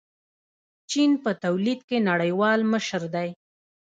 چین په تولید کې نړیوال مشر دی.